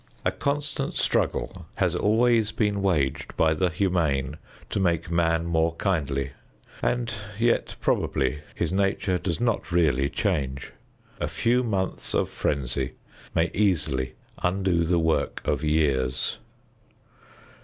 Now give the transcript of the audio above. A constant struggle has always been waged by the humane to make man more kindly, and yet probably his nature does not really change. A few months of frenzy may easily undo the work of years.